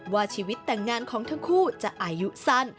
ว่าชีวิตแต่งงานของทั้งคู่จะอายุสั้น